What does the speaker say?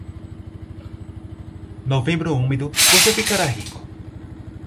Novembro úmido, você ficará rico.